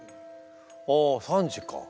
「あ３時か。